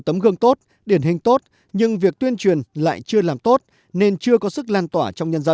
tấm gương tốt điển hình tốt nhưng việc tuyên truyền lại chưa làm tốt nên chưa có sức lan tỏa trong nhân dân